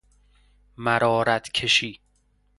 مرارت کشی